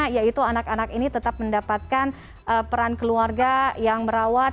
yaitu anak anak ini tetap mendapatkan peran keluarga yang merawat